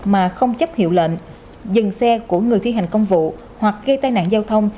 mà không chấp hiệu lệnh dừng xe của người thi hành công vụ hoặc gây tai nạn giao thông